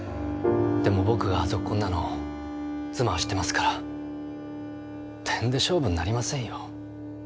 でも僕がゾッコンなの妻は知ってますからてんで勝負になりませんよ。